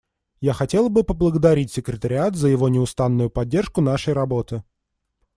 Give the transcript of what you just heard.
Я хотела бы поблагодарить секретариат за его неустанную поддержку нашей работы.